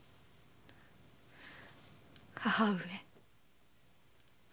母上。